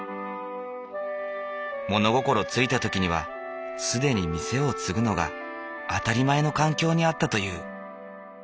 物心付いた時には既に店を継ぐのが当たり前の環境にあったという。